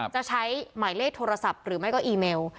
จะใช้หมายเลขโทรศัพท์หรือไม่ก็อีเมล